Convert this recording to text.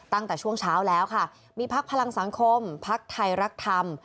ตั้งแต่ช่วงเช้าแล้วค่ะมีพักพลังสังคมพักไทยรักธรรม